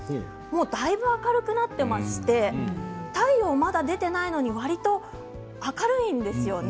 だいぶ明るくなっていまして太陽はまだ出ていないのにわりと明るいんですよね。